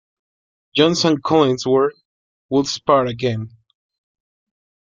Jones and Collinsworth would spar again.